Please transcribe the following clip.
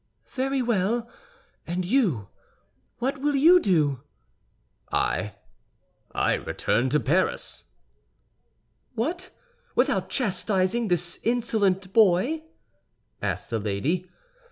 "Very well; and you—what will you do?" "I—I return to Paris." "What, without chastising this insolent boy?" asked the lady.